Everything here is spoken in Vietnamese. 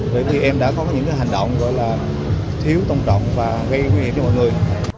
bởi vì em đã có những hành động gọi là thiếu tôn trọng và gây nguy hiểm cho mọi người